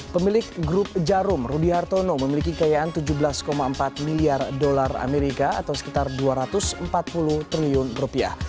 pemilik grup jarum rudy hartono memiliki kekayaan tujuh belas empat miliar dolar amerika atau sekitar dua ratus empat puluh triliun rupiah